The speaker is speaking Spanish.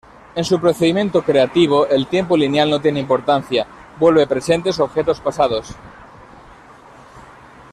En su procedimiento creativo el tiempo lineal no tiene importancia, vuelve presentes objetos pasados.